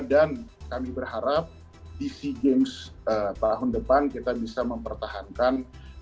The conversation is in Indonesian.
dan kami berharap di sea games tahun depan kita bisa mempertahankan